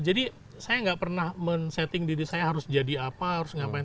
jadi saya nggak pernah men setting diri saya harus jadi apa harus ngapain